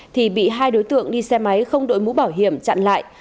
thì bị hai đối tượng đi xe máy không đội mũ bảo hiểm chặn lại